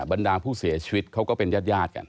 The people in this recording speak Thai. บรรดาผู้เสียชีวิตเขาก็เป็นญาติกัน